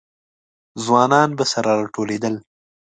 ځوانان به سره راټولېدل.